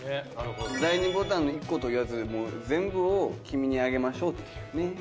第二ボタンの１個といわずもう全部を君にあげましょうっていうね。